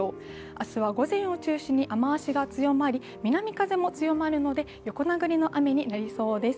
明日は午前を中心に雨足が強まり南風も強まるので横殴りの雨になりそうです。